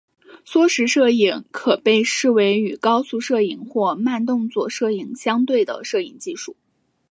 缩时摄影可被视为与高速摄影或慢动作摄影相对的摄影技术。